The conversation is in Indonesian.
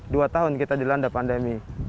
dua tahun kita dilanda pandemi